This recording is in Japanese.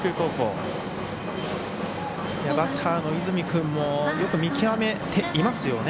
バッターの和泉君もよく見極めていますよね。